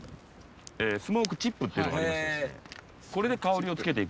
スモークチップっていうのがありましてですね